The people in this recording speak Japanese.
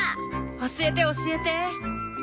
教えて教えて。